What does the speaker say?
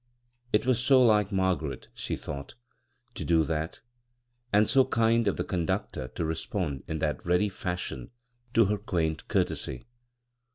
It was so like Margaret, she thought, to do that, and so kind of the conductor to respond in that ready fashion to her quaint courtesy.